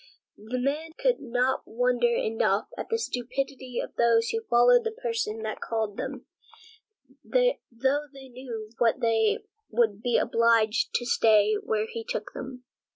The man could not wonder enough at the stupidity of those who followed the person that called them, though they knew that they would be obliged to stay where he took them.